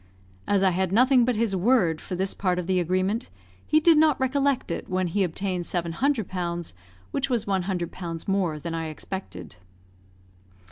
As I had nothing but his word for this part of the agreement, he did not recollect it when he obtained 700 pounds, which was 100 pounds more than I expected.